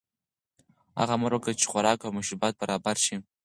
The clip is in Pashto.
هغه امر وکړ چې خوراک او مشروبات برابر شي.